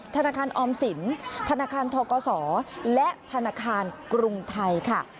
ธนาคารออมสินธนาคารทกศและธนาคารกรุงไทยค่ะ